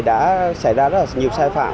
đã xảy ra rất nhiều sai phạm